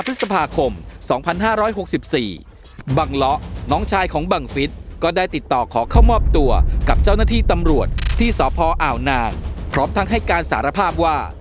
พฤษภาคม๒๕๖๔บังเลาะน้องชายของบังฟิศก็ได้ติดต่อขอเข้ามอบตัวกับเจ้าหน้าที่ตำรวจที่สพอ่าวนางพร้อมทั้งให้การสารภาพว่า